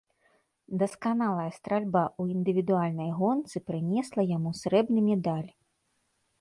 Дасканалая стральба ў індывідуальнай гонцы прынесла яму срэбны медаль.